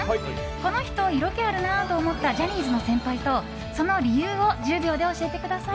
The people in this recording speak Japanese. この人、色気あるなーと思ったジャニーズの先輩と、その理由を１０秒で教えてください。